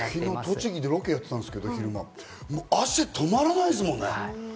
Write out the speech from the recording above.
昨日、栃木で昼間、ロケやってたんですけど、汗止まらないですもんね。